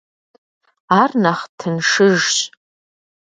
Ар нэхъ тыншыжщ.